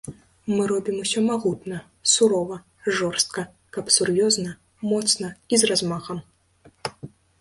Мы робім усё магутна, сурова, жорстка, каб сур'ёзна, моцна і з размахам.